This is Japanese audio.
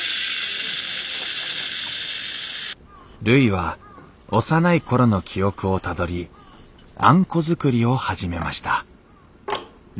るいは幼い頃の記憶をたどりあんこ作りを始めました